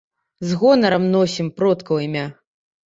З гонарам носім продкаў імя.